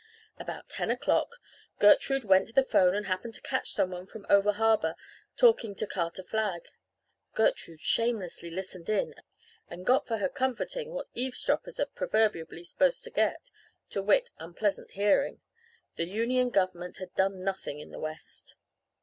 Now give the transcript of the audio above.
"About ten o'clock Gertrude went to the 'phone and happened to catch someone from over harbour talking to Carter Flagg. Gertrude shamelessly listened in and got for her comforting what eavesdroppers are proverbially supposed to get to wit, unpleasant hearing; the Union Government had 'done nothing' in the West.